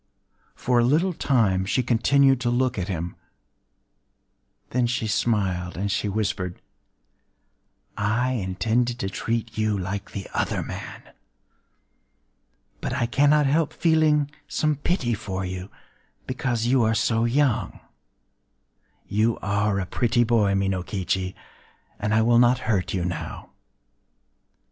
For a little time she continued to look at him;—then she smiled, and she whispered:—“I intended to treat you like the other man. But I cannot help feeling some pity for you,—because you are so young... You are a pretty boy, Minokichi; and I will not hurt you now.